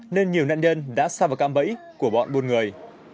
nên nhiều nạn nhân đã xa vào cam bẫy của bọn buôn người